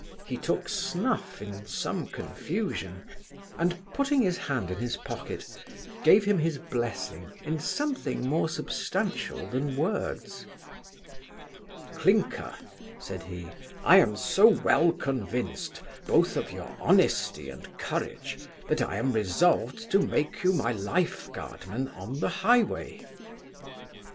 He took snuff in some confusion; and, putting his hand in his pocket, gave him his blessing in something more substantial than words 'Clinker (said he), I am so well convinced, both of your honesty and courage, that I am resolved to make you my life guardman on the highway.